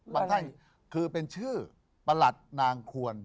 ประเทศคือเป็นชื่อประหลัดนางควร